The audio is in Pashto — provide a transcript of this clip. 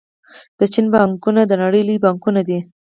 د چین بانکونه د نړۍ لوی بانکونه دي.